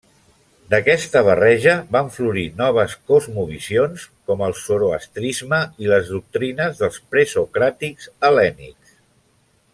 D'aquesta barreja van florir noves cosmovisions, com el zoroastrisme i les doctrines dels presocràtics hel·lènics.